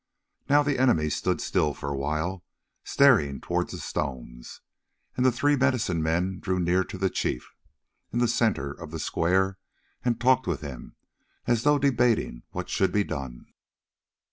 Now the enemy stood still for a while, staring towards the stones, and the three medicine men drew near to the chief in the centre of the square and talked with him, as though debating what should be done.